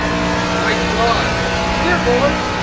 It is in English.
My God! Here, boys!